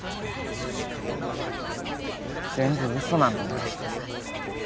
全部嘘なんだな。